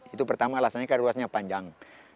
itu pertama alasannya kan ruasnya panjang